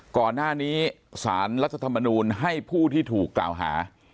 ก่อนหน้านี้สารรัฐธรรมนูลให้ผู้ที่ถูกกล่าวหา